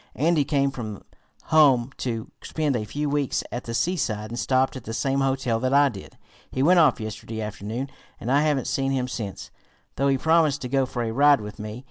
Andy came from home to spend a few weeks at the seaside, and stopped at the same hotel that I did. He went off yesterday afternoon, and I haven't seen him since, though he promised to go for a ride with me.